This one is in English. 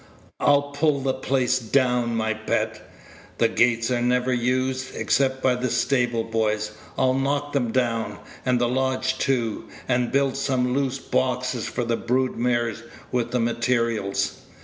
"I'll pull the place down, my pet. The gates are never used, except by the stable boys; I'll knock them down, and the lodge too, and build some loose boxes for the brood mares with the materials.